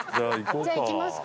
じゃあ行きますか。